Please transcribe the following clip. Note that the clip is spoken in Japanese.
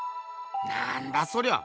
なんだそりゃ！